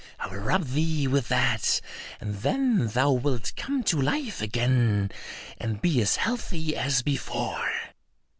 I will rub thee with that, and then thou wilt come to life again, and be as healthy as before."